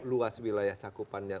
luas wilayah cakupannya